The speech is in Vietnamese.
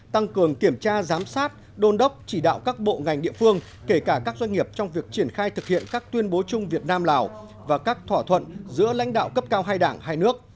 tăng cường kiểm tra giám sát đôn đốc chỉ đạo các bộ ngành địa phương kể cả các doanh nghiệp trong việc triển khai thực hiện các tuyên bố chung việt nam lào và các thỏa thuận giữa lãnh đạo cấp cao hai đảng hai nước